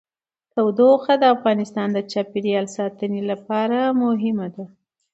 تودوخه د افغانستان د چاپیریال ساتنې لپاره مهم دي.